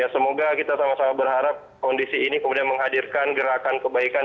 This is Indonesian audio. semoga kita sama sama berharap kondisi ini kemudian menghadirkan gerakan kebaikan